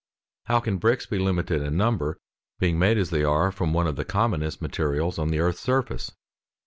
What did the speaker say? How can bricks be limited in number, being made as they are from one of the commonest materials on the earth's surface?